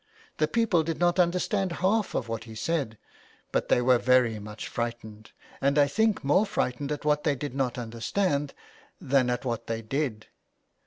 The people did not understand half of what he said, but they were very much frightened, and I think more frightened at what they did not understand than at what they did.